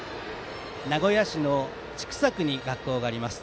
名古屋市の千種区に学校があります。